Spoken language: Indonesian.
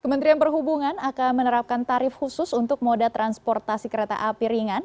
kementerian perhubungan akan menerapkan tarif khusus untuk moda transportasi kereta api ringan